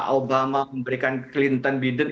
obama memberikan clinton biden